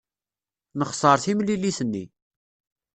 Nexṣer timlilit-nni.